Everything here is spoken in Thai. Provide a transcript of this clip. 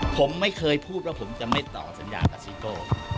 ผมไม่เคยพูดว่าผมจะไม่ต่อสัญญากับซิโก้